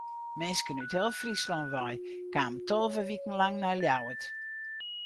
Minsken út heel Fryslân wei kamen tolve wiken lang nei Ljouwert.